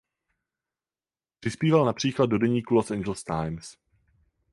Přispíval například do deníku "Los Angeles Times".